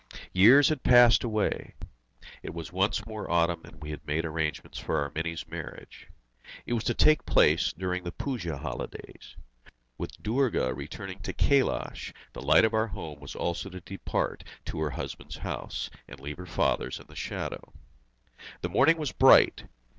Years had passed away. It was once more autumn and we had made arrangements for our Mini's marriage. It was to take place during the Puja Holidays. With Durga returning to Kailas, the light of our home also was to depart to her husband's house, and leave her father's in the shadow. The morning was bright.